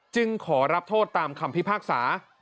ขอรับโทษตามคำพิพากษา